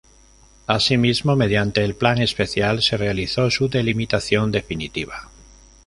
Así mismo, mediante el plan especial se realizó su delimitación definitiva.